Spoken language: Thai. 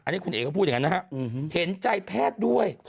อันนี้คุณเอกก็พูดอย่างนั้นนะฮะเห็นใจแพทย์ด้วย